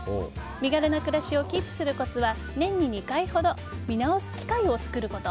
身軽な暮らしをキープするコツは年に２回ほど見直す機会を作ること。